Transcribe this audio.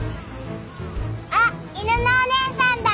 あっ犬のおねえさんだ！